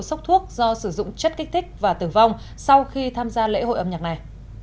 sốc thuốc do sử dụng chất kích thích và tử vong sau khi tham gia lễ hội âm nhạc này